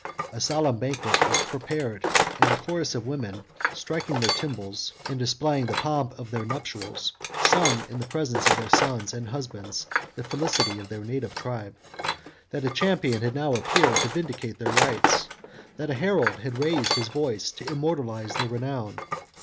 A solemn banquet was prepared, and a chorus of women, striking their tymbals, and displaying the pomp of their nuptials, sung in the presence of their sons and husbands the felicity of their native tribe; that a champion had now appeared to vindicate their rights; that a herald had raised his voice to immortalize their renown.